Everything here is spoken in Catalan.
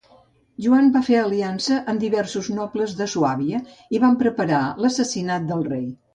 Joan va fer aliança amb diversos nobles de Suàbia i van preparar l'assassinat del rei.